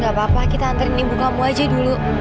gak apa apa kita antarin ibu kamu aja dulu